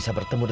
saat tak dia